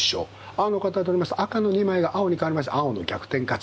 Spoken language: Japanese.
青の方が取りますと赤の２枚が青に変わりまして青の逆転勝ち。